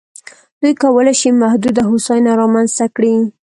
دوی کولای شي محدوده هوساینه رامنځته کړي.